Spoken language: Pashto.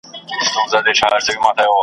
شپې په تمه د سهار یو ګوندي راسي .